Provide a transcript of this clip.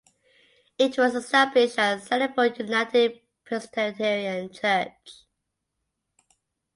It was established as Sandyford United Presbyterian Church.